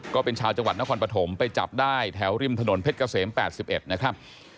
ก็เป็นชาวจังหวัดนครปฐมไปจับได้แถวริมถนนเพชรเกษม๘๑นะครับ